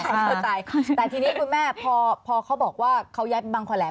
ใช่ใช่แต่ทีนี้คุณแม่พอเขาบอกว่าเขาย้ายไปบังคลแหลม